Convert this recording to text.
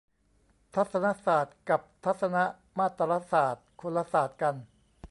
ทัศนศาสตร์ กับทัศนมาตรศาสตร์ คนละศาสตร์กัน